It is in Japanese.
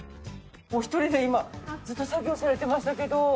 お一人で今ずっと作業されてましたけど。